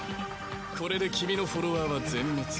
これで君のフォロワーは全滅。